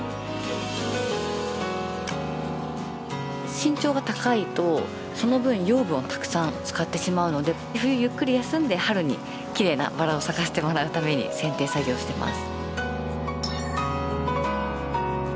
身長が高いとその分養分をたくさん使ってしまうので冬ゆっくり休んで春にきれいなバラを咲かせてもらうために剪定作業してます。